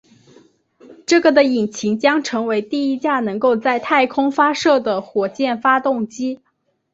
这个的引擎将成为第一架能够在太空发射的火箭发动机。